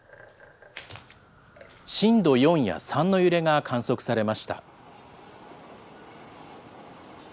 震度４や３の揺れが観測されました。